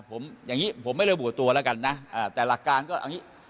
ผมอย่างงี้ผมไม่ได้บวกตัวแล้วกันนะเอ่อแต่หลักการก็อย่างงี้